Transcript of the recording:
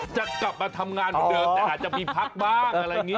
จะกลับมาทำงานเหมือนเดิมแต่อาจจะมีพักบ้างอะไรอย่างนี้